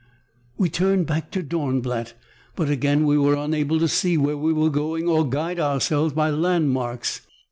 "We turned back to Dornblatt, but again we were unable to see where we were going or guide ourselves by landmarks.